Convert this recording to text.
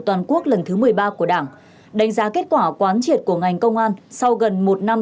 toàn quốc lần thứ một mươi ba của đảng đánh giá kết quả quán triệt của ngành công an sau gần một năm